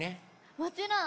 もちろん！